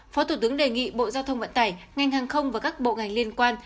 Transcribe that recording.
phó thủ tướng đề nghị bộ giao thông vận tải ngành hàng không và các bộ ngành liên quan